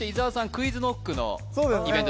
ＱｕｉｚＫｎｏｃｋのイベントですね